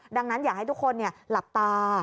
ดังนั้นอยากให้ทุกคนหลับตา